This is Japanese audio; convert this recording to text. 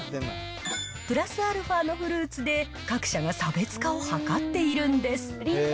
プラスアルファのフルーツで、各社が差別化を図っているんです。